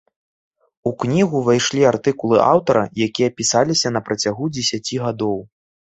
У кнігу ўвайшлі артыкулы аўтара, якія пісаліся на працягу дзесяці гадоў.